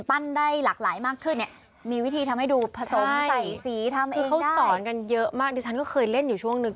ได้หลากหลายมากขึ้นเนี่ยมีวิธีทำให้ดูผสมใส่สีทำให้เขาสอนกันเยอะมากดิฉันก็เคยเล่นอยู่ช่วงนึง